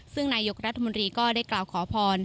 ซึ่งนายกรัฐมนตรีก็ได้กล่าวขอพร